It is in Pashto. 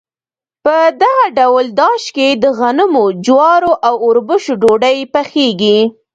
په دغه ډول داش کې د غنمو، جوارو او اوربشو ډوډۍ پخیږي.